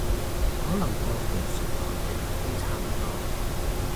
可能個技術來源都差唔多